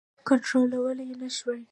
کنټرولولای نه شوای.